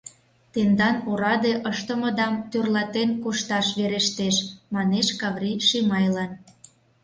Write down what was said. — Тендан ораде ыштымыдам тӧрлатен кошташ верештеш, — манеш Каври Шимайлан.